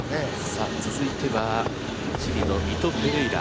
さあ続いてはチリのミト・ペレイラ。